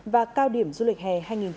và cao điểm du lịch hè hai nghìn hai mươi bốn